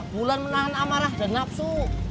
bulan menahan amarah dan nafsu